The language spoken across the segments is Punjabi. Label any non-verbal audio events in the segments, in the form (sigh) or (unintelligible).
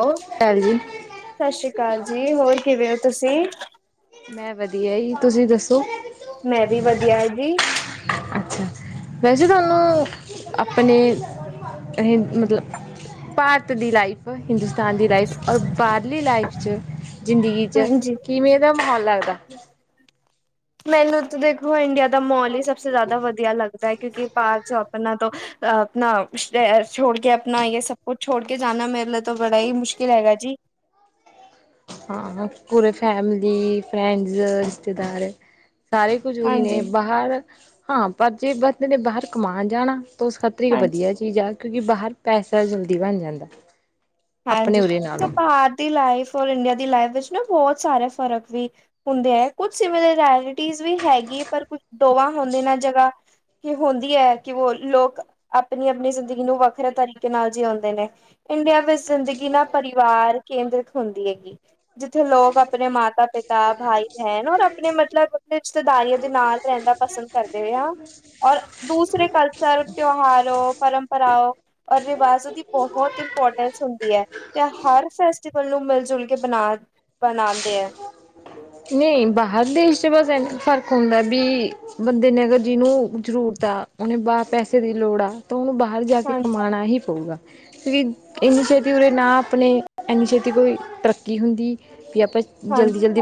ਓ ਚੱਲ ਜੀ ਸ਼ਸ ਸ੍ਰੀ ਕਾਲ ਜੀ ਹੋਰ ਕਿਵੇਂ ਓ ਤੁਸੀਂ? ਮੈਂ ਵਧੀਆ ਈ ਤੁਸੀਂ ਦੱਸੋ। ਮੈਂ ਵੀ ਵਧੀਆ ਜੀ। ਅੱਛਾ ਵੈਸੇ ਥੋਨੂੰ ਆਪਣੇ ਇਹੇ ਮਤਲਬ ਭਾਰਤ ਦੀ ਲਾਈਫ ਹਿੰਦੁਸਤਾਨ ਦੀ ਲਾਈਫ ਔਰ ਬਾਹਰਲੀ ਲਾਈਫ ਚ ਜ਼ਿੰਦਗੀ ਚ ਹਾਂਜੀ, ਕਿਵੇਂ ਦਾ ਮਾਹੌਲ ਲੱਗਦਾ? ਮੈਨੂੰ ਤਾਂ ਦੇਖੋ ਇੰਡੀਆ ਦਾ ਮੋਲ ਈ ਸਬਸੇ ਜ਼ਿਆਦਾ ਵਧੀਆ ਲੱਗਦਾ ਐ ਕਿਉਂਕਿ ਬਾਹਰ ਚੋ ਆਪਣਾ ਤੋਂ ਆਪਣਾ ਛ ਛੋੜ ਕੇ ਆਪਣਾ ਯੇ ਸਭ ਕੁਛ ਛੋੜ ਕੇ ਜਾਨਾ ਮੇਰੇ ਲਈ ਤਾਂ ਬੜਾ ਈ ਮੁਸ਼ਕਿਲ ਹੈਗਾ ਜੀ। ਹਾਂ, ਪੂਰੇ ਫੈਮਲੀ, ਫਰੈਂਡਸ, ਰਿਸ਼ਤੇਦਾਰ ਸਾਰੇ ਕੁਜ਼ੂਰੀ ਨੇ ਹਾਂਜੀ-ਹਾਂਜੀ। ਬਾਹਰ ਹਾਂ, ਪਰ ਜੇ ਬੰਦੇ ਨੇ ਬਾਹਰ ਕਮਾਣ ਜਾਣਾ ਤਾਂ ਉਸ ਖਾਤਰ ਇੱਕ ਵਧੀਆ ਚੀਜ਼ ਆ ਕਿਉਂਕਿ ਬਾਹਰ ਪੈਸਾ ਜਲਦੀ ਬਣ ਜਾਂਦਾ। ਆਪਣੇ ਹਾਂਜੀ, ਉਰੇ ਨਾਲੋਂ ਬਾਹਰ ਦੀ ਲਾਈਫ ਔਰ ਇੰਡੀਆ ਦੀ ਲਾਈਫ ਵਿੱਚ ਨਾ ਬਹੁਤ ਸਾਰੇ ਫ਼ਰਕ ਵੀ ਹੁੰਦੇ ਐ, ਕੁਛ ਸਿਮਲੈਰਟੀ ਵੀ ਹੈਗੀ ਪਰ ਕੁਛ ਦੋਵਾਂ ਹੁੰਦੇ ਨੇ ਜਗ੍ਹਾ ਕੀ ਹੁੰਦੀ ਐ ਕਿ ਉਹ ਲੋਕ ਆਪਣੀ-ਆਪਣੀ ਜ਼ਿੰਦਗੀ ਨੂੰ ਵੱਖਰੇ ਤਰੀਕੇ ਨਾਲ ਜਿਉਂਦੇ ਨੇ। ਇੰਡੀਆ ਬ ਜ਼ਿੰਦਗੀ ਨਾਂ ਪਰਿਵਾਰ ਕੇਂਦਰਿਤ ਹੁੰਦੀ ਹੈਗੀ, ਜਿੱਥੇ ਲੋਕ ਆਪਣੇ ਮਾਤਾ-ਪਿਤਾ ਤਾ ਭਾਈ ਬਹਿਣ ਔਰ ਆਪਣੇ ਮਤਲਬ ਆਪਣੇ ਰਿਸ਼ਤੇਦਾਰੀਆਂ ਦੇ ਨਾਲ ਰਹਿੰਦਾ ਪਸੰਦ ਕਰਦੇ ਆ ਔਰ ਦੂਸਰੇ ਕਲਚਰ ਤਿਉਹਾਰੋ ਪਰੰਪਰਾਓ ਔਰ ਰਿਵਾਜੋ਼ ਦੀ ਬਹੁਤ ਇੰਪੋਰਟੈਂਸ ਹੁੰਦੀ। ਐ ਤੇ ਹਰ ਫੈਸਟੀਵਲ ਨੂੰ ਮਿਲ-ਜੁਲ ਕੇ ਬਣਾ ਬਣਾਦੇ ਐ। ਨ੍ਹੀਂ ਬਾਹਰ ਦੇਸ਼ ਚ ਬਸ ਇਨ੍ਹਾਂ ਫ਼ਰਕ ਹੁੰਦਾ ਬੀ ਬੰਦੇ ਨੇ ਅਗਰ ਜਿਨੂੰ ਜ਼ਰੂਰਤ ਆ, ਉਹਨੇ ਵਾਹ ਪੈਸੇ ਦੀ ਲੋੜ ਆ ਤਾਂ ਉਨੂੰ ਬਾਹਰ ਜਾ ਕੇ ਹਾਂਜੀ ਕਮਾਣਾ ਹੀ ਪਊਗਾ। ਕਿਉਂਕੀ ਇੰਨੀ ਛੇਤੀ ਉਰੇ ਨਾ ਆਪਣੇ ਏਨੀ ਛੇਤੀ ਕੋਈ ਤਰੱਕੀ ਹੁੰਦੀ ਵੀ ਆਪਾਂ ਜਲਦੀ-ਜਲਦੀ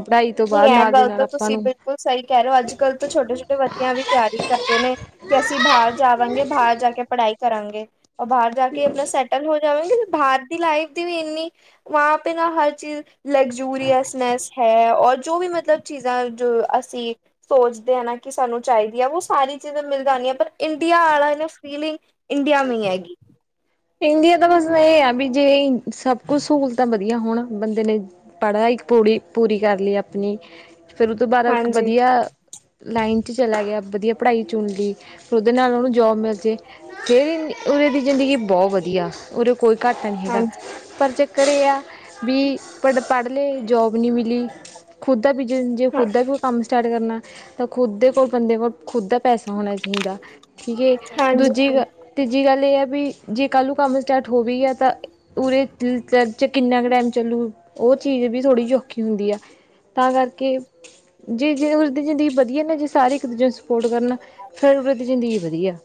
ਨਈ ਐ ਗੱਲ ਤਾਂ ਤੁਸੀਂ ਬਿਲਕੁਲ ਸਈ ਕੈ ਰਏ ਓਂ ਅੱਜ-ਕੱਲ ਤਾਂ ਛੋਟੇ-ਛੋਟੇ ਬੱਚਿਆਂ ਵੀ ਤਿਆਰੀ ਕਰਦੇ ਨੇ ਕੇ ਅਸੀਂ ਬਾਰ ਜਾਵਾਂਗੇ ਬਾਰ ਜਾ ਕੇ ਪੜ੍ਹਾਈ ਕਰਾਂਗੇ। ਓ ਬਾਰ ਜਾ ਕੇ ਆਪਨਾ ਸੈਟ ਤੈਨੂੰ ਹੋ ਜਾਵੇਗੀ ਨਾ ਬਾਰ ਦੀ ਲਾਈਫ ਦੀ ਵੀ ਇੰਨੀ ਵਹਾਂ ਪੇ ਨਾ ਹਰ ਚੀਜ਼ ਲਗਜੂਰੀਅਸ ਨਸ ਹੈ। ਔਰ ਜੋ ਵੀ ਮਤਲਬ ਚੀਜ਼ਾਂ ਜੋ ਅਸੀਂ ਸੋਚਦੇ ਆ ਨਾ ਕੇ ਸਾਨੂੰ ਚਾਈਦੀ ਐ ਓ ਸਾਰੀ ਚੀਜ਼ਾਂ ਮਿਲ ਜਾਂਨੀ ਐ ਪਰ ਇੰਡੀਆ ਆਲਾ ਨਾ ਫੀਲਿੰਗ ਇੰਡੀਆ ਮੀ ਹੈਗੀ। ਇੰਡੀਆ ਤਾਂ ਬਸ ਏਹ ਆ ਵੀ ਜੇ ਸਭ ਕੁਛ ਸਹੂਲਤਾਂ ਵਦੀਆ ਹੋਨ ਬੰਦੇ ਲਈ ਪੜ੍ਹਾ ਇੱਕ ਪੂੜੀ ਪੂਰੀ ਕਰ ਲਈ ਆਪਨੀ ਫੇਰ ਓ ਤੋਂ ਬਾਦ ਇੱਕ ਹਾਂਜੀ ਵਦੀਆ ਲਾਈਨ ਚ ਚਲਾ ਗੇਆ ਵਦੀਆ ਪੜ੍ਹਾਈ ਚੁਨ ਲੀ, ਫੇਰ ਓਦੇ ਨਾਲ ਓਨੂੰ ਜੋਬ ਮਿਲਜੇ ਫੇਰ ਉਰੇ ਦੀ ਜ਼ਿੰਦਗੀ ਬਹੁ ਵਦੀਆ, ਉਰੇ ਕੋਈ ਘਾਟਾ ਨੀ ਹੈਗਾ। ਹਾਂਜੀ ਪਰ ਚੱਕਰ ਏਹ ਆ ਵੀ ਪੜ੍ਹ-ਪੜ੍ਹ ਲਏ ਜੋਬ ਨੀ ਮਿਲੀ ਖੁਦ ਦਾ ਬਿਜਨਸ ਜੇ ਹਾਂ ਖੁਦ ਦਾ ਵੀ ਕੋਈ ਕੰਮ ਸਟਾਟ ਕਰਨਾ ਤਾਂ ਖੁਦ ਦੇ ਕੋਲ ਬੰਦੇ ਕੋਲ ਖੁਦ ਦਾ ਪੈਸਾ ਹੋਨਾ ਚਾਹੀਦਾ ਠੀਕ ਏ, ਹਾਂਜੀ ਹਾਂਜੀ ਦੂਜੀ ਗੱ ਤੀਜੀ ਗੱਲ ਏਹ ਆ ਵੀ ਜੇ ਕਾਂਲੂੰ ਕੰਮ ਸਟਾਟ ਹੋ ਵੀ ਗੇਆ ਤਾਂ ਉਰੇ ਚ ਕਿੰਨਾ ਕ ਟੈਮ ਚੱਲੂ ਓ ਚੀਜ਼ ਵੀ ਥੋੜ੍ਹੀ ਜੀ ਔਖੀ ਹੁੰਦੀ ਆ। ਤਾਂ ਕਰਕੇ ਜੇ-ਜੇ ਉਰੇ ਦੀ ਜ਼ਿੰਦਗੀ ਵਦੀਆ ਨਾ ਜੇ ਸਾਰੇ ਇੱਕ ਦੂਜੇ ਨੂੰ ਸਪੋਟ ਕਰਨ। ਫੇਰ ਉਰੇ ਦੀ ਜ਼ਿੰਦਗੀ ਵਦੀਆ,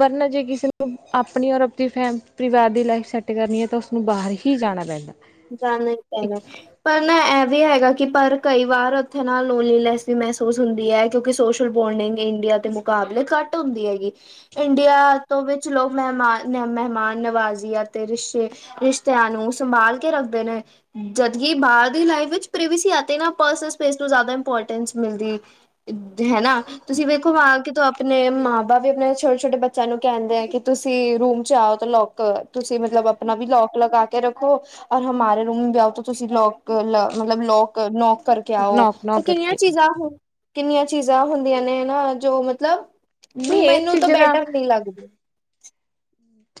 ਵਰਨਾ ਜੇ ਕਿਸੇ ਨੂੰ ਆਪਨੀ ਔਰ ਤੇ ਫੈ ਪਰਿਵਾਰ ਦੀ ਲਾਈਫ ਸੈੱਟ ਕਰਨੀ ਐ ਤਾਂ ਉਸਨੂੰ ਬਾਹਰ ਹੀ ਜਾਨਾ ਪੈਂਦਾ। ਜਾਨਾ ਈ ਪੈਨਾ। ਪਰ ਨਾ ਐ ਵੀ ਹੈਗਾ ਕਿ ਪਰ ਕਈ ਵਾਰ ਓਥੇ ਨਾ ਲੋਨਲੀਲੈਸ ਵੀ ਮਹਿਸੂਸ ਹੁੰਦੀ ਐ। ਕਿਓਂਕਿ ਸੋਸ਼ਲ ਬੋਂਡਿੰਗ ਇੰਡੀਆ ਦੇ ਮੁਕਾਬਲੇ ਘੱਟ ਹੁੰਦੀ ਹੈਗੀ। ਇੰਡੀਆ ਤੋਂ ਵਿੱਚ ਲੋਕ ਮਹਿਮਾਨ-ਮਹਿਮਾਨ ਨਵਾਜ਼ੀ ਅਤੇ ਰਿਸ਼ਤੇ ਰਿਸ਼ਤਿਆਂ ਨੂੰ ਸੰਭਾਲ ਕੇ ਰੱਖਦੇ ਨੇ। ਜਦਕਿ ਬਾਰ ਦੀ ਲਾਈਫ ਵਿੱਚ ਪ੍ਰੇਵੇਸੀ ਆਤੇ ਨਾ ਪਰਸਨਲ ਸਪੇਸ ਨੂੰ ਜ਼ਾਦਾ ਇੰਪੋਰਟੈਂਸ ਮਿਲਦੀ ਏ। (unintelligible) ਹਨਾ ਤੁਸੀਂ ਵੇਖੋ ਆ ਕੇ ਆਪਨੇ ਮਾਂ ਬਾਪ ਵੀ ਆਪਨੇ ਛੋਟੇ-ਛੋਟੇ ਬੱਚਿਆਂ ਨੂੰ ਕੈਂਦੇ ਆ ਕੇ ਤੁਸੀਂ ਰੂਮ ਚ ਆਓ ਤਾਂ ਲੌਕ ਕ ਤੁਸੀਂ ਮਤਲਬ ਆਪਨਾ ਵੀ ਲੌਕ ਲਗਾ ਕੇ ਰੱਖੋ। ਔਰ ਹਮਾਰੇ ਰੂਮ ਵੀ ਆਓ ਤਾਂ ਤੁਸੀਂ ਲੌਕ ਮਤਲਬ ਲੌ ਨੌਕ ਕਰਕੇ ਆਓ, ਨੌਕ ਪਰ ਨੌਕ ਕਿੰਨੀਆਂ ਕਰਕੇ ਚੀਜ਼ਾਂ ਕਿੰਨੀਆਂ ਚੀਜ਼ਾਂ ਹੁੰਦੀਆਂ ਨੇ ਹਨਾ ਜੋ ਮਤਲਬ ਨਹੀਂ ਇਹ ਮੈਨੂੰ ਤਾਂ ਚੀਜ਼ਾਂ ਦਾ ਬੈਟਰ ਨੀ ਲੱਗਦੇ।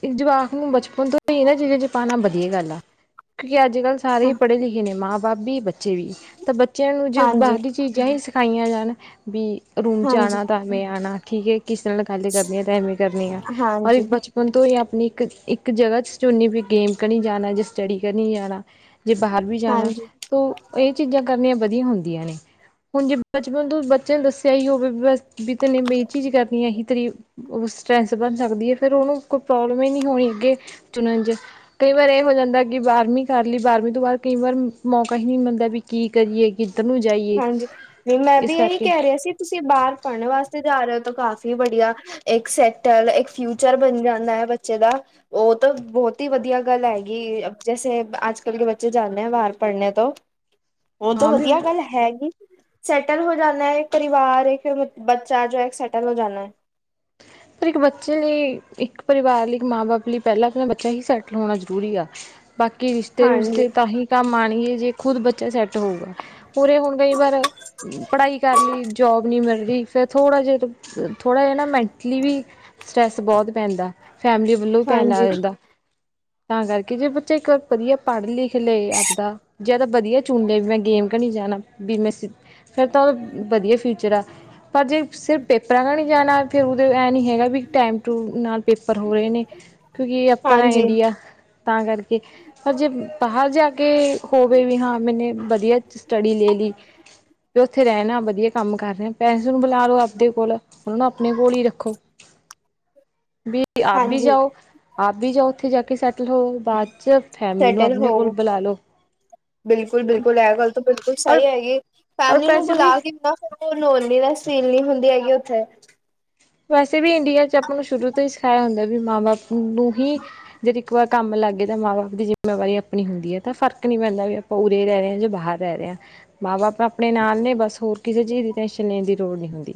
ਇੱਕ ਜਵਾਕ ਨੂੰ ਬਚਪਨ ਤੋਂ ਈ ਏਨਾ ਚੀਜ਼ਾਂ ਚ ਪਾਨਾ ਵਦੀਆ ਗੱਲ ਆ। ਕਿਓਂਕਿ ਅੱਜ-ਕੱਲ੍ਹ ਹਾਂ ਸਾਰੇ ਪੜੇ ਲਿਖੇ ਨੇ ਮਾਂ ਬਾਪ ਵੀ ਬੱਚੇ ਵੀ ਤੇ ਬੱਚੇਆਂ ਨੂੰ ਜੇ ਹਾਂਜੀ ਬਾਦ ਵਿੱਚ ਚੀਜ਼ਾਂ ਈ ਸਿਖਾਈਆਂ ਜਾਨ ਵੀ ਰੂਮ ਚ ਹਾਂਜੀ ਆਨਾ ਤਾ ਐਵੇਂ ਆਨਾ ਠੀਕ ਈ। ਕਿਸੇ ਨਾਲ ਗੱਲ ਕਰਨੀ ਆ ਤਾ ਐਵੇਂ ਕਰਨੀ ਆ, ਔਰ ਹਾਂਜੀ ਇੱਕ ਬਚ ਹੁਨ ਤੋ ਈ ਆਪਨੀ ਇੱਕ-ਇਕ ਜਗ੍ਹਾ ਚ ਚੁਨਨੀ ਵੀ ਗੇਮ ਕਰਨੀ ਜਾਨੈ ਜਾਂ ਸਟੱਡੀ ਕਨੀ ਜਾਨੈ। ਜੇ ਬਾਹਰ ਵੀ ਜਾਨਾ ਹਾਂਜੀ ਤਾਂ ਏਹ ਚੀਜ਼ਾਂ ਕਰਨੀਆਂ ਵਦੀਆ ਹੁੰਦੀਆਂ ਨੇ। ਹੁਨ ਜੇ ਬਚਪਨ ਤੋਂ ਬੱਚੇਆਂ ਨੂੰ ਦੱਸਿਆ ਈ ਹੋਵੇ ਬਸ ਵੀ ਤੈਨੇ ਬਈ ਏਹ ਚੀਜ਼ ਕਰਨੀ ਔ ਐਹੀ ਤੇਰੀ ਓਹੋ ਸਟਰੈਸ ਬਨ ਸਕਦੀ ਐ ਫੇਰ ਓਨੂੰ ਕੋਈ ਪ੍ਰੋਬਲਮ ਈ ਨੀ ਹੋਨੀ ਅੱਗੇ ਚੁਨਨ ਚ। ਕਈ ਵਾਰ ਏ ਹੋ ਜਾਂਦਾ ਕਿ ਬਾਰ੍ਹਵੀਂ ਕਰ ਲੀ ਬਾਰ੍ਹਵੀਂ ਤੋਂ ਬਾਦ ਕਈ ਵਾਰ ਮੌਕਾ ਹੀ ਨਹੀ ਮਿਲਦਾ ਵੀ ਕੀ ਕਰੀਏ ਕਿਦਰ ਨੂੰ ਜਾਈਏ, ਹਾਂਜੀ ਨਹੀਂ ਮੈਂ ਵੀ ਇਸ ਇਹੀ ਕਰਕੇ ਕਹਿ ਰਿਹਾ ਸੀ ਤੁਸੀਂ ਬਾਰ ਪੜ੍ਹਨ ਵਾਸਤੇ ਜਾਂ ਰਏਂ ਓਂ ਤਾਂ ਕਾਫ਼ੀ ਬੜੀਆ ਏਕ ਸੈਟਲ ਏਕ ਫਿਊਚਰ ਬਨ ਜਾਂਦਾਂ ਐ ਬੱਚੇ ਦਾ। ਓ ਤਾਂ ਬੋਤ ਈ ਵਧੀਆਂ ਗੱਲ਼ ਹੈਗੀ ਏਂ, ਜੈਸੇ ਅੱਜ ਕੱਲ੍ਹ ਕੇ ਬੱਚੇ ਜਾਂਦੇ ਆ ਬਾਰ ਪੜ੍ਹਨੇ ਤੋਂ। (inaudible) ਬਹੁਤ ਵਧੀਆਂ ਗੱਲ਼ ਹੈਂ। ਹੈਗੀ, ਸੈਟਲ ਹੋ ਜਾਣਾਂ ਹੈਂ ਇੱਕ ਵਾਰੀਂ ਬਾਹਰ, ਫ਼ਿਰ ਇੱਕ ਬੱਚਾ ਆ ਜਾਏ ਸੈਟਲ ਹੋ ਜਾਂਣਾ ਐਂ। ਪਰ ਇੱਕ ਬੱਚੇ ਲਈ, ਇੱਕ ਪਰਿਵਾਰ ਲਈ, ਇੱਕ ਮਾਂ ਬਾਪ ਲਈ, ਪਹਿਲਾਂ ਆਪਣਾਂ ਬੱਚਾ ਹੀ ਸੈਟਲ ਹੋਣਾਂ ਜ਼ਰੂਰੀ ਆ। ਬਾਂਕੀ ਰਿਸ਼ਤੇ- ਹਾਂਜੀ, ਰੁਸ਼ਤੇ ਤਾਂਹੀ ਕੰਮ ਆਣਗੇ, ਜੇ ਖ਼ੁਦ ਬੱਚਾ ਸੈਂਟ ਹੋਊਗਾ। ਪੂਰੇ ਹੁੰਦੇ ਈ ਕਈ ਵਾਰ ਪੜ੍ਹਾਈ ਕਰ ਲੀ, ਜੋਬ ਨੀਂ ਮਿਲ਼ ਰਹੀਂ, ਫ਼ਿਰ ਥੋੜ੍ਹਾਂ ਜਿਹਾਂ ਥੋੜ੍ਹਾਂ ਜਿਹਾਂ ਨਾ, ਮੈਂਟਲੀ ਵੀ ਸਟਰੈਸ ਬਹੁਤ ਪੈਂਦਾਂ, ਫੈਮਿਲੀ ਵੱਲ਼ੋਂ ਵੀ ਪੈਦਾ ਹਾਂਜੀ। ਰਹਿੰਦਾਂ। ਤਾਂ ਕਰਕੇ, ਜੇ ਬੱਚਾ ਇੱਕ ਵਾਰ ਵਧੀਆਂ ਪੜ੍ਹ ਲਿਖ ਲਏ ਆਪਦਾ, ਜਦ ਵਧੀਆਂ ਚੁਣਦੇ ਵੀ ਮੈਂ ਗੇਮ ਘ ਨੀਂ ਜਾਣਾਂ ਬੀ ਮੈਂ, ਫ਼ਿਰ ਤਾਂ ਵਧੀਆਂ ਫਿਊਚਰ ਆ। ਪਰ ਜੇ ਸਿਰਫ਼ ਪੇਪਰਾਂ ਨਾਲ਼ ਹੀ ਜਾਣਾਂ, ਫ਼ਿਰ ਐਹ ਨੀਂ ਹੈਗਾ ਵੀ ਟੈਮ ਟੂ ਨਾਲ਼ ਪੇਪਰ ਹੋ ਰਹੇਂ ਨੇਂ, ਕਿਉਂਕਿ ਆਪਣਾਂ ਹਾਂਜੀ, ਇੰਡੀਆਂ ਤਾਂ ਕਰਕੇ। ਪਰ ਜੇ ਬਾਹਰ ਜਾਂ ਕੇ ਹੋਵੇਂ ਵੀ, ਹਾਂ ਮੈਂਨੇ ਵਧੀਆਂ ਸਟੱਡੀ ਲੇ ਲੀ ਫ਼ਿਰ ਉੱਥੇ ਰਹਿਣਾਂ, ਵਧੀਆਂ ਕੰਮ ਕਰ ਰਿਹਾਂ ਪੈਨਜਲ ਬੁਲਾਂ ਲੋ ਆਪਦੇ ਕੋਲ਼, ਉਹਨੂੰ ਆਪਣੇਂ ਕੋਲ਼ ਹੀ ਰੱਖੋਂ, ਵੀ ਤੁਸੀਂ ਆਪ ਵੀ ਹਾਂਜੀ ਜਾਓ, ਆਪ ਵੀ ਜਾਓ ਉੱਥੇ ਜਾਂ ਕੇ ਸੈਂਟ ਚਲੋਂ ਬਾਅਦ 'ਚ ਫੈਮਿਲੀ ਨੂੰ, ਆਪਣੇਂ ਕੋਲ਼ ਬੁਲਾਂ ਲੋ। ਬਿਲਕੁੱਲ ਬਿਲਕੁੱਲ, ਐਹ ਗੱਲ਼ ਤੋਂ ਬਿਲਕੁੱਲ ਔਰ ਸਹੀ ਹੈਗੀ, ਔਰ ਫੈਮਿਲੀ ਨੂੰ ਪੈਸੇ ਵੀ ਬੁਲਾਂ ਕੇ (unintelligible) ਨੀਂ ਹੁੰਦੀਂ ਹੈਗੀ, ਉੱਥੇ ਵੈਸੇ ਵੀ ਇੰਡੀਆਂ 'ਚ ਆਪਾਂ ਨੂੰ ਸ਼ੁਰੂ ਤੋਂ ਹੀ ਸਿਖਾਈਆਂ ਹੁੰਦਾਂ ਵੀ, ਮਾਂ ਬਾਪ ਨੂੰ ਹੀ (unintelligible) ਇੱਕ ਵਾਰ ਕੰਮ ਲੱਗਗੇ ਤਾਂ ਮਾਂ ਬਾਪ ਦੀ ਜ਼ਿੰਮੇਂਵਾਰੀ ਆਪਣੀਂ ਹੁੰਦੀਂ ਹੈਂ, ਤਾਂ ਫ਼ਰਕ ਨੀ ਪੈਂਦਾਂ ਵੀ ਆਪਾਂ ਉਰੇ ਰਹਿ ਰਹੇਂ ਹਾਂ, ਜਾਂ ਬਾਹਰ ਰਹਿ ਰਹੇਂ ਹਾਂ। ਮਾਂ ਬਾਪ ਆਪਣੇਂ ਨਾਲ਼ ਨੇਂ, ਬਸ ਹੋਰ ਕਿਸ਼ੇ ਚੀਜ਼ ਦੀ ਟੈਨਸ਼ਨ ਲੈਣ ਦੀ ਲੋੜ ਨੀਂ ਹੁੰਦੀਂ,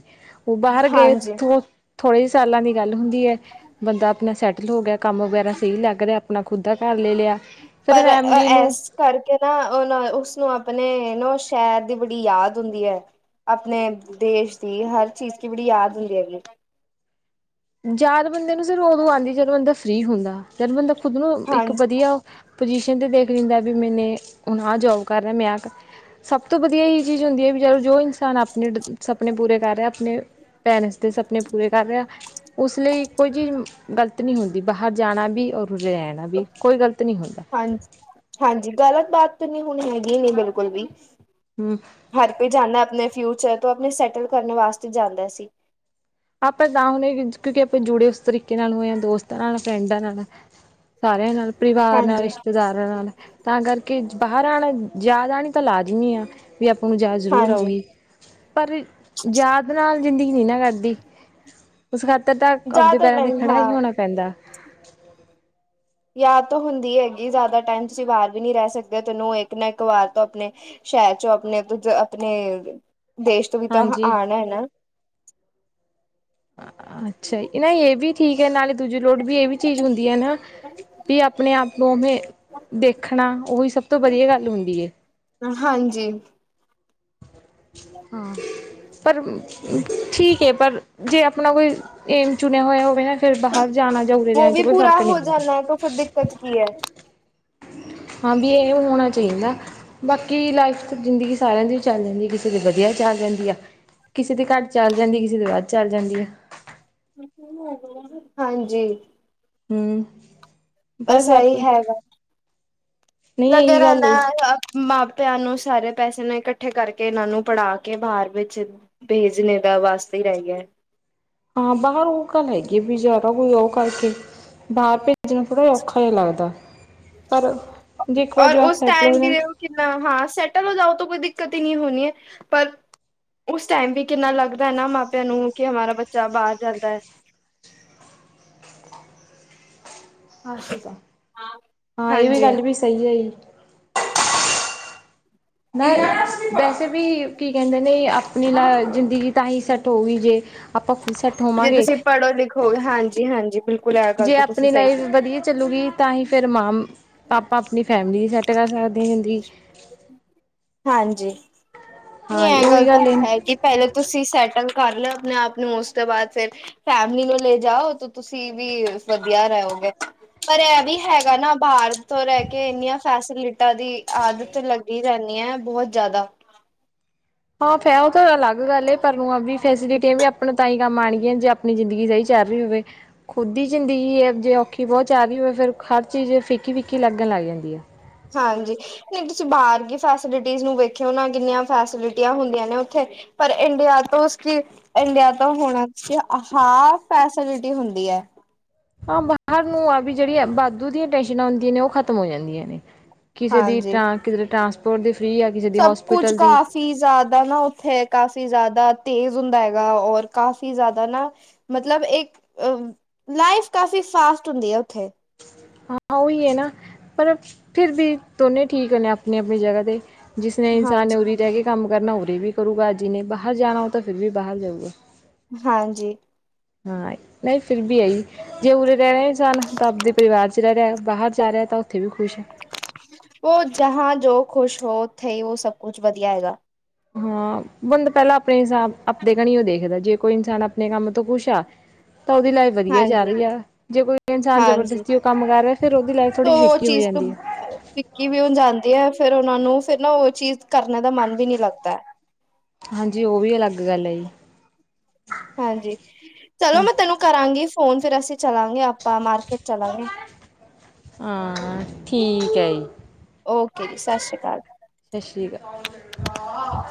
ਉਹ ਬਾਹਰ ਗਏ ਹਾਂਜੀ। ਉਹ ਥੋੜੇ ਜੇ ਸਾਲਾਂ ਦੀ ਗੱਲ਼ ਹੁੰਦੀਂ ਹੈਂ, ਬੰਦਾਂ ਆਪਣਾਂ ਸੈਟਲ ਹੋ ਗਿਆਂ, ਕੰਮ ਵਗ਼ੈਰਾ ਸਹੀ ਲੱਗ ਰਿਹਾਂ ਆਪਣਾਂ ਖ਼ੁਦ ਦਾ ਘਰ ਲੇ ਲਿਆ। ਫਿਰ ਪਰ ਫੈਮਿਲੀ ਨੂੰ ਐਸ ਕਰਕੇ ਨਾ, ਉਹ ਨਾ ਉਸਨੂੰ ਆਪਣੇ ਨਾ ਉਹ ਸ਼ਹਿਰ ਦੀ ਬੜੀ ਯਾਦ ਹੁੰਦੀ ਹੈ। ਆਪਣੇ ਦੇਸ਼ ਦੀ, ਹਰ ਚੀਜ਼ ਕੀ ਬੜੀ ਯਾਦ ਨਹੀਂ ਰਹੇ ਉਹਨੂੰ ਯਾਦ ਬੰਦੇ ਨੂੰ ਸਿਰਫ ਉਦੋਂ ਆਉਂਦੀ ਜਦੋਂ ਬੰਦਾ ਫਰੀ ਹੁੰਦਾ, ਜਦ ਬੰਦਾ ਖੁਦ ਨੂੰ ਇੱਕ ਹਾਂਜੀ, ਵਧੀਆ ਪਜੀਸ਼ਨ ਤੇ ਦੇਖ ਲੈਂਦਾ, ਵੀ ਮੈਨੇ ਹੁਣ ਆਹ ਜੋਬ ਕਰ ਰਿ ਮੈਂ ਸਭ ਤੋਂ ਵਧੀਆ ਇਹੀ ਚੀਜ਼ ਹੁੰਦੀ ਹੈ, ਵੀ ਚਲ ਜੋ ਇਨਸਾਨ ਆਪਣੇ ਸਪਨ ਪੂਰੇ ਕਰ ਰਿਹਾ ਆਪਣੇ ਪੈਰੈਂਟਸ ਦੇ ਸਪਨੇ, ਪੂਰੇ ਕਰ ਰਿਹਾ ਉਸ ਲਈ ਕੋਈ ਚੀਜ਼ ਗ਼ਲਤ ਨਹੀਂ ਹੁੰਦੀ, ਬਾਹਰ ਜਾਣਾ ਵੀ ਔਰ ਉ ਰਹਿਣਾ ਵੀ, ਕੋਈ ਗ਼ਲਤ ਨਹੀਂ ਹੁੰਦਾ। ਹਾਂਜੀ, ਹਾਂਜੀ ਗਲਤ ਬਾਤ ਤਾਂ ਨਹੀਂ ਹੁਣ ਹੈਗੀ ਨਹੀਂੀ, ਬਿਲਕੁਲ ਵੀ। ਹਮ। ਹਰ ਕੋਈ ਜਾਂਦਾ ਆਪਣੇ ਫਿਊਚਰ ਤੋਂ, ਆਪਣੇ ਸੈਟਲ ਕਰਨ ਵਾਸਤੇ ਜਾਂਦਾ ਸੀ। ਆਪਾਂ ਤਾਂ ਹੁਣੇ, ਕਿਉਂਕਿ ਆਪਾਂ ਜੁੜੇ ਉਸ ਤਰੀਕੇ ਨਾਲ ਹੋਏਾਂ ਦੋਸਤਾਂ ਨਾਲ, ਫਰੈਂਡਾਂ ਨਾਲ। ਸਾਰਿਆਂ ਨਾਲ ਪਰਿਵਾਰ ਨਾਲ ਹਾਂਜੀ ਰਿਸ਼ਤੇਦਾਰਾਂ ਨਾਲ, ਤਾਂ ਕਰਕੇ ਬਾਹਰ ਆਉਣਾ ਜ਼ਿਆਦਾ ਆਉਣੀ ਤਾਂ ਲਾਜ਼ਮੀ ਆ ਵੀ ਆਪਾਂ ਨੂੰ ਯਾਦ ਜ਼ਰੂਰ ਹਾਂਜੀ ਆਉਗੀ, ਪਰ ਯਾਦ ਨਾਲ ਜ਼ਿੰਦਗੀ ਨਹੀਂ ਨਾ ਕਟਦੀ। ਉਸ ਖਾਤਰ ਤਾਂ, ਆਪਦੇ ਜ਼ਿਆਦਾ ਪੈਰਾਂ ਤੇ ਟਾਈਮ ਖੜਾ ਹਾਂ ਹੀ ਹੋਣਾ ਪੈਂਦਾ। ਯਾਦ ਤਾਂ ਹੁੰਦੀ ਹੈਗੀ, ਜ਼ਿਆਦਾ ਟਾਈਮ ਤੁਸੀਂ ਬਾਹਰ ਵੀ ਨਹੀਂੀ ਰਹਿ ਸਕਦੇ, ਤੈਨੂੰ ਇੱਕ ਨਾ ਇੱਕ ਵਾਰ ਤੋਂ ਆਪਣੇ ਸ਼ਹਿਰ 'ਚ ਆਪਣੇ, ਆਪਣੇ ਦੇਸ਼ ਤੋਂ ਵੀ ਤਾਂ ਹਾਂਜੀ ਆਉਣਾ ਹੈ ਨਾ। ਅੱਛਾ, ਨਾ ਇਹ ਵੀ ਠੀਕ ਹੈ, ਨਾਲੇ ਦੂਜੀ ਲੋੜ ਵੀ ਇਹ ਵੀ ਚੀਜ਼ ਹੁੰਦੀ ਹੈ ਨਾ ਵੀ ਆਪਣੇ ਆਪ ਨੂੰ ਉਵੇਂ ਦੇਖਣਾ, ਉਹੀ ਸਭ ਤੋਂ ਵਧੀਆ ਗੱਲ ਹੁੰਦੀ ਹੈ। ਹਾਂਜੀ। ਹਾਂ। ਪਰ ਠੀਕ ਹੈ, ਪਰ ਜੇ ਆਪਣਾ ਕੋਈ ਏਮ ਚੁਣਿਆ ਹੋਇਆ ਹੋਵੇ ਨਾ ਫਰ ਬਾਹਰ ਜਾਣਾ ਜਾਂ ਉਰੇ ਉਹ ਰਹਿਣਾ ਚ, ਵੀ ਕੋਈ ਪੂਰਾ ਫਰਕ ਨਹੀਂ ਹੋ ਜਾਣਾ ਹੈ ਤਾਂ ਫਿਰ ਪੈਂਦਾ। ਦਿੱਕਤ ਕੀ ਹੈ ਹਾਂ ਵੀ, ਇਹ ਹੋਣਾ ਚਾਹੀਦਾ ਬਾਕੀ ਲਾਈਫ ਜ਼ਿੰਦਗੀ ਸਾਰਿਆਂ ਦੀ ਚੈੱਲਦੀ ਕਿਸ ਕਿਸੇ ਦੀ ਵਧੀਆ ਚੱਲ ਜਾਂਦੀ ਆ, ਕਿਸੇ ਦੇ ਘੱਟ ਚੱਲ ਜਾਂਦੀ, ਕਿਸੇ ਦੇ ਬਾੱਧ ਚੱਲ ਜਾਂਦੀ ਆ। ਹਾਂਜੀ। ਹਮ। ਬਸ ਇਹੀ ਹੈ ਨਹੀਂ ਲੱਗਿਆ ਇਹੀ ਗੱਲ ਏ ਰਦਾ। ਮਾਪਿਆਂ ਨੂੰ ਸਾਰੇ ਪੈਸੇ ਨੇ ਇਕੱਠੇ ਕਰਕੇ, ਇਹਨਾਂ ਨੂੰ ਪੜ੍ਹਾ ਕੇ ਬਾਹਰ ਵਿੱਚ ਭੇਜਣੇ ਦਾ ਵਾਸਤੇ ਹੀ ਰਹਿ ਗਿਆ। ਹਾਂ, ਬਾਹਰ ਉਹ ਗੱਲ ਹੈਗੀ ਬ ਜ਼ਿਆਦਾ ਕੋਈ ਉਹ ਕਰਕੇ ਬਾਹਰ ਤੇ ਜਨ ਨੂੰ ਥੋੜ੍ਹਾ ਜਿ ਔਖਾ ਜਿਹਾ ਲੱਗਦਾ, ਪਰ ਜੇ ਇੱਕ ਵਜ ਸੈਟ ਹੋ ਜਾ ਕਿ ਨਾ ਹਾਂ ਸੈਟਲ ਹੋ ਜਾਓ, ਤਾਂ ਕੋਈ ਦਿਕਤ ਹੀ ਨਹੀਂ ਹੋਣੀ ਹੈ ਪਰ ਉਸ ਟਾਈਮ ਵੀ ਕਿੰਨਾ ਲੱਗਦਾ ਹੈ ਨਾ, ਮਾਪਿਆਂ ਨੂੰ ਕਿ ਹਮਾਰਾ ਬੱਚਾ ਬਾਹਰ ਜਾਂਦਾ ਹੈ। ਆਸ਼ ਤਾਂ, ਹਾਂ ਇਹ ਵੀ ਹਾਂਜੀ ਗੱਲ ਵੀ ਸਹੀ ਹੈ ਜ। ਮੈਂ ਵੈਸੇ ਵੀ ਕੀ ਕਹਿੰਦੇ ਨੇ, ਆਪਣੀ ਲ ਜ਼ਿੰਦਗੀ ਤਾਂ ਹੀ ਸੈੱਟ ਹੋਊਗੀ ਜੇ ਆਪਾਂ ਫ ਸੈੱਟ ਹੋਵਾਂਗੇ। ਹੋ ਹਾਂਜੀ-ਹਾਂਜੀ, ਬਿਲਕੁਲ। ਇਹ ਗੱਲ ਜੇ ਤਾਂ ਤੁਸੀਂ ਆਪਣੀ ਸਹੀ ਲਾਈਫ ਕੀਤੀ ਵਧੀਆ ਚੱਲੂਗੀ ਤਾਂ ਹੀ ਫਿਰ ਮਾਂ ਪਾਪਾਂ ਆਪਣੀ ਫੈਮਿਲੀ ਦੀ ਸੈੱਟ ਕਰ ਸਕਦੇ ਹ ਹੁੰਦੀ। ਹਾਂਜੀ ਨੀ, ਹਾਂ ਇਹ ਉਹੀ ਗੱਲ ਤਾਂ ਏ। ਹੈਗੀ। ਪਹਿਲਾਂ ਤੁਸੀਂ ਸੈਟਲ ਕਰ ਲਿਆ ਆਪਣੇ ਆਪ ਨੂੰ, ਉਸ ਤੋਂ ਬਾਅਦ ਫਿਰ ਫੈਮਲੀ ਨੂੰ ਲੈ ਜਾਓ, ਤਾਂ ਤੁਸੀਂ ਵੀ ਵਧੀਆ ਰਹਿਗੇ। ਪਰ ਇਹ ਵੀ ਹੈਗਾ ਨਾ, ਬਾਹਰ ਤੋਂ ਰਹਿ ਕੇ ਇੰਨੀਆਂ ਫੈਸਿਲਿਟੀਆਂ ਦੀ ਆਦਤ ਤੇ ਲੱਗੀ ਰਹਦੀ ਹੈ, ਬਹੁਤ ਜ਼ਿਆਦਾ ਹਾਂ ਫੈ ਉਹ ਤਾਂ ਅਲੱਗ ਗੱਲ ਏ, ਪਰ ਆਪ ਨੂੰ ਵੀ ਫੈਸਿਲਿਟੀਆਂ ਵੀ ਆਪਣੇ ਤ ਹੀ ਕੰਮ ਆਉਣਗੀਆਂ ਜੇ ਆਪ ਆਪਣੀ ਜ਼ਿੰਦਗੀ ਸਹੀ ਚੱਲ ਰਹੀ ਹੋਵੇ, ਖੁਦ ਦੀ ਜ਼ਿੰਦਗੀ ਹੈ ਜੇ ਔਖੀ ਬਹੁਤ ਜਾ ਆ ਰਹੀ ਹੋਵੇ, ਫਿਰ ਹਰ ਚੀਜ਼ ਫਿੱਕੀ-ਫਿੱਕੀ ਲੱਗਣ ਲੱਗ ਜਾਂਦੀ ਹੈ। ਹਾਂਜੀ, ਨਹੀਂ ਤੁਸੀਂ ਬਾਹਰ ਕੀ ਫੈਸਿਲਿਟੀਜ਼ ਨੂੰ ਵੇਖਿਓ ਨਾ, ਕਿੰਨੀਆਂ ਫੈਸਿਲਿਟੀਆਂ ਹੁੰਦੀਆਂ ਨੇ ਉੱਥੇ। ਪਰ ਇੰਡੀਆ ਤੋਂ ਕਿ ਇੰਡੀਆ ਤੋਂ ਹੋਣਾ ਚ, ਅ ਹ ਫੈਸਿਲਿਟੀ ਹੁੰਦੀ ਹੈ। ਆਾਂ ਬਾਹਰ ਨੂੰ ਆ ਵੀ, ਜਿਹੜੀਆਂ ਵਾਧੂ ਦੀਆਂ ਟੈਸ਼ਨਾਂ ਹੁੰਦੀਆਂ ਨੇ, ਉਹ ਖਤਮ ਹੋ ਜਾਂਦੀਆਂ ਨੇ। ਕਿਸੇ ਦੀ ਹਾਂਜੀ ਟਾਂਗੇ, ਟਰਾਂਸਪੋਰਟ ਦੀ ਫਰੀ ਆ। ਕਿਸੇ ਦੀ ਸਭ ਕੁਝ ਹੋਸਪਿਟਲ ਕਾ ਦੀ ਕਾਫੀ ਜ਼ਿਆਦਾ ਨਾ ਉੱਥੇ ਕਾਫੀ ਜ਼ਿਆਦਾ ਤੇਜ਼ ਹੁੰਦਾ ਹੈਗਾ, ਔਰ ਕਾਫੀ ਜ਼ਿਆਦਾ ਨਾ ਮਤਲਬ ਇੱਕ ਲਾਈਫ ਕਾਫੀ ਫਾਸਟ ਹੁੰਦੀ ਆ ਉੱਥੇ ਹਾਂ ਉਹਹੀ ਹੈ ਨਾ, ਪਰ ਫਿਰ ਵੀ ਦੋਨੇ ਠੀਕ ਨੇ ਆਪਣੀ ਆਪਣੀ ਜਗਾ ਤੇਤੇ ਜਿਸਨੇ ਇਨਸਾਨ ਨੇ ਹਾਂਜੀ ਉਰੇ ਰਹਿ ਕੇ ਕੰਮ ਕਰਨਾ ਉਰੇ ਵੀ ਕਰੂਗਾ, ਅੱ ਜੀ ਨੇ ਬਾਹਰ ਜਾਣਾ ਉਹ ਤਾਂ ਫਿਰ ਵੀ ਬਾਹਰ ਜਾਊਗਾ। ਹਾਂਜੀ। ਹਾਂ, ਨਹੀਂ ਫਿਰ ਵੀ ਆਈ। ਜੇ ਉਰੇ ਰਹਿ ਰਹੇ ਹੀ ਸਨ, ਤਾਂ ਆਪਦੇ ਪਰਿਵਾਰ ਚ ਰਹਿ ਰਿਹਾ, ਬਾਹਰ ਜਾ ਰਿਹਾ ਤਾਂ ਉੱਥੇ ਵੀ ਖੁਸ਼ ਉਹ ਜਾਂ ਜੋ ਖੁਸ਼ ਹੋਥੇ ਉਹ ਸਭ ਕੁਛ ਵਧੀਆ ਹੈਗਾ। ਹਾਂ, ਬੰਦਾ ਪਹਿਲਾਂ ਆਪਣੇ ਹਿਸਾਬ ਆਪਣੇ ਘਣੀ ਉਹ ਦੇਖਦਾ, ਜੇ ਕੋਈ ਇਨਸਾਨ ਆਪਣੇ ਕੰਮ ਤੋਂ ਕੁਛ ਆ ਤਾਂ ਉਹਦੀ ਲਾ ਵਧੀਆ ਜਾ ਹਾਂਜੀ ਰਈ ਆ ਜੇ ਕੋਈ ਇਨਸਾਨ ਹਾਂਜੀ ਜਬਰਦਸਤੀ ਕੰਮ ਕਰ ਰੇਆ ਫੇਰ ਓਦੀ ਲਾਈਫ ਥੋੜੀ ਜ ਫਿੱਕੀ ਹੋ ਜਾਂਦੀ ਐ। ਕੀ ਵੀ ਹੁਣ ਜਾਂਦੀ ਐ ਫੇਰ ਓਨਾ ਨੂੰ ਫੇਰ ਨਾ ਓ ਚੀਜ਼ ਕਰਨ ਦਾ ਮਨ ਵੀ ਨੀ ਲੱਗਦਾ। ਹਾਂਜੀ ਓ ਵੀ ਅਲੱਗ ਗੱਲ ਆ ਜੀ। ਹਾਂਜੀ ਚਲੋ ਹੂੰ ਮੈਂ ਤੈਨੂੰ ਕਰਾਂਗੀ ਫੋਨ ਫੇਰ ਅਸੀਂ ਚਲਾਂਗੇ ਆਪਾਂ ਮਾਰਕੀਟ ਚਲਾਂਗੇ ਹਾਂ ਠੀਕ ਐ ਜੀ। ਓਕੇ ਜੀ ਸਛੀ ਕਾਲ। ਸਛੀ ਕਾਲ